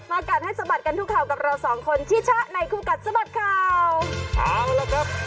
มาการให้สบัดกันทุกข่าวกับเราสองคนชิชะไนคู่กัดสบัดข่าว